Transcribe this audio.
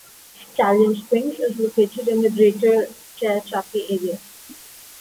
Stallion Springs is located in the greater Tehachapi Area.